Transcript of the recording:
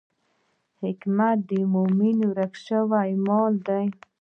حکمت د مومن ورک شوی مال دی.